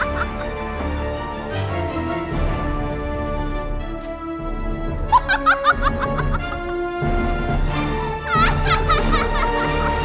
kau tidak akan mencari aku lagi